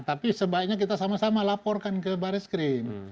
tapi sebaiknya kita sama sama laporkan ke baris krim